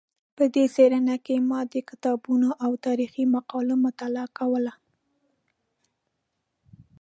په دې څېړنه کې ما د کتابونو او تاریخي مقالو مطالعه کوله.